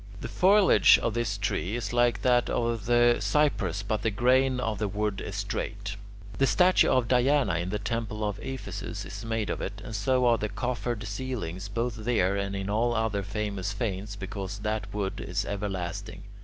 The foliage of this tree is like that of the cypress but the grain of the wood is straight. The statue of Diana in the temple at Ephesus is made of it, and so are the coffered ceilings both there and in all other famous fanes, because that wood is everlasting.